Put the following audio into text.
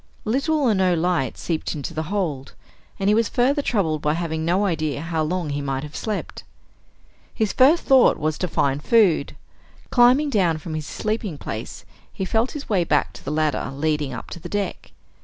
Little or no light seeped into the hold, and he was further troubled by having no idea how long he might have slept. His first thought was to find food. Climbing down from his sleeping place he felt his way back to the ladder leading up to the deck.